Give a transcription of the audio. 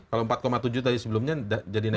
kalau rp empat tujuh tadi sebelumnya jadi naik berapa